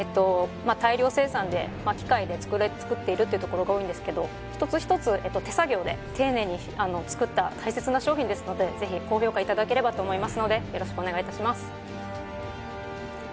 大量生産で機械で作っているっていうところが多いんですけど一つ一つ手作業で丁寧に作った大切な商品ですので是非高評価いただければと思いますのでよろしくお願いいたします